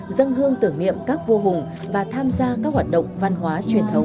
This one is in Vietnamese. dân hương tưởng niệm các vua hùng và tham gia các hoạt động văn hóa truyền thống